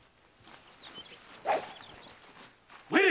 参れ！